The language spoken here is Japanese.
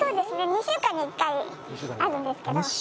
２週間に１回あるんですけど。